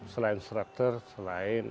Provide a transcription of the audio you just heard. selain struktur selain